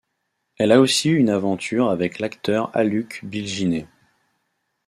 Elle a aussi eu une aventure avec l'acteur Haluk Bilginer.